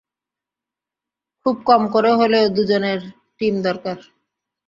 খুব কম করে হলেও দু জনের টীম দরকার।